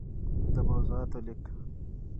دموضوعاتو ليــک